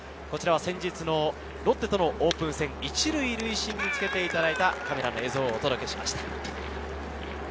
こちらは先日のロッテとのオープン戦、１塁塁審に着けていただいたカメラの映像をお届けしました。